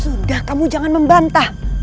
sudah kamu jangan membantah